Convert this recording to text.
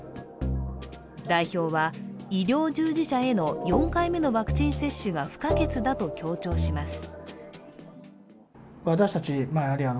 代表は、医療従事者への４回目のワクチン接種が不可欠だと強調します。